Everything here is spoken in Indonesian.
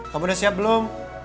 kamu udah siap belum